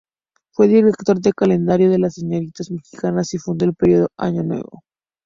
Fue director del "Calendario de las Señoritas Mexicanas" y fundó el periódico "Año Nuevo".